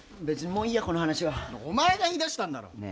別にもういいやこの話は。お前が言いだしたんだろ！